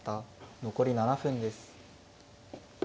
残り７分です。